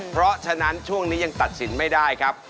เพราะฉะนั้นช่วงนี้ยังตัดสินไม่ได้ครับ